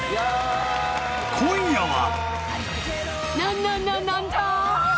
［今夜は］